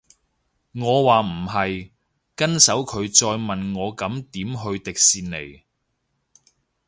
我話唔係，跟手佢再問我咁點去迪士尼